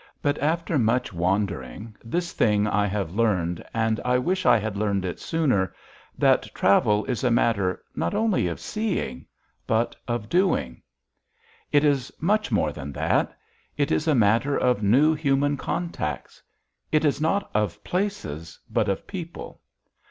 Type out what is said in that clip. But, after much wandering, this thing I have learned, and I wish I had learned it sooner: that travel is a matter, not only of seeing, but of doing._ _It is much more than that. It is a matter of new human contacts. It is not of places, but of people.